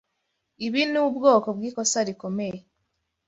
Ibi ni ubwoko bwikosa rikomeye.